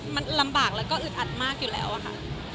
มันลำบากแล้วก็อึดอัดมากอยู่แล้วอะค่ะ